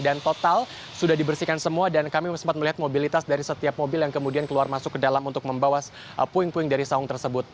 dan total sudah dibersihkan semua dan kami sempat melihat mobilitas dari setiap mobil yang kemudian keluar masuk ke dalam untuk membawa puing puing dari saung tersebut